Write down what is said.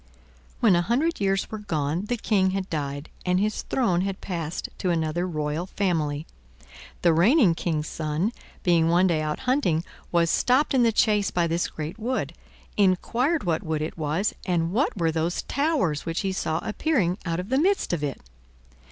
When a hundred years were gone the King had died, and his throne had passed to another royal family. The reigning King's son, being one day out hunting, was stopped in the chase by this great wood, inquired what wood it was and what were those towers which he saw appearing out of the midst of it.